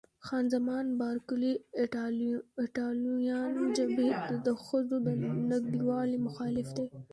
خان زمان بارکلي: ایټالویان جبهې ته د ښځو د نږدېوالي مخالف دي.